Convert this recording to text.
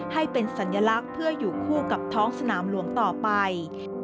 ให้เป็นสัญลักษณ์เพื่ออยู่คู่กับท้องสนามหลวงต่อไป